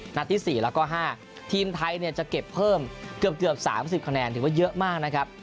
นัดที่๔แล้วก็๕ทีมไทยเนี่ยจะเก็บเพิ่มเกือบ๓๐คะแนนถือว่าเยอะมากนะครับ